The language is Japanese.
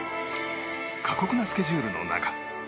過酷なスケジュールの中